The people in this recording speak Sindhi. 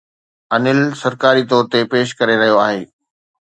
ANIL سرڪاري طور تي پيش ڪري رهيو آهي